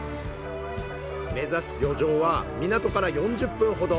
目指す漁場は港から４０分ほど。